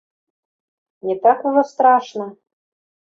Не так ужо страшна.